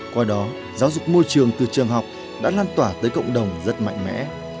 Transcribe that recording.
qua đó giáo dục môi trường từ trường học đã lan tỏa tới cộng đồng rất mạnh mẽ